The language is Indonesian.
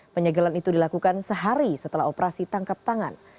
penyegelan itu dilakukan sehari setelah operasi tangkap tangan